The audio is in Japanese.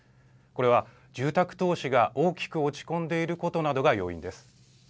これは、住宅投資が大きく落ち込んでいることなどが要因です。